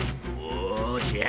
おじゃ。